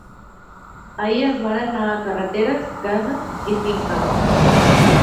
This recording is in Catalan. Ahir es varen negar carreteres, cases i finques.